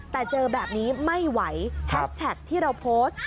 แต่เจอแบบนี้ไม่ไหวแฮชแท็กที่เราโพสต์